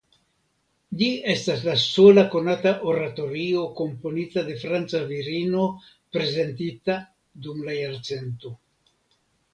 Ĝi estas la sola konata oratorio komponita de franca virino prezentita dum la jarcento.